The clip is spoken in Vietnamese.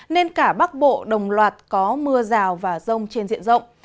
nên cả bắc bộ đồng loạt có mưa rào và rông trên diện rộng